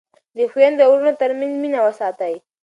د خویندو او وروڼو ترمنځ مینه وساتئ.